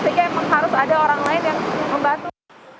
sehingga memang harus ada orang lain yang membantu